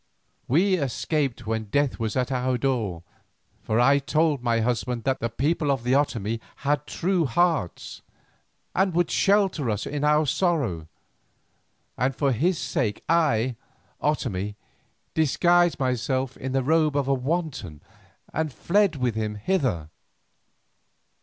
We escaped when death was at our door, for I told my husband that the people of the Otomie had true hearts, and would shelter us in our sorrow, and for his sake I, Otomie, disguised myself in the robe of a wanton and fled with him hither.